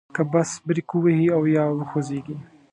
که بس بریک ووهي او یا وخوځیږي.